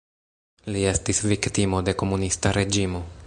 Li estis viktimo de komunista reĝimo.